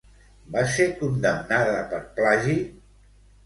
Va ser condemnada per plagi?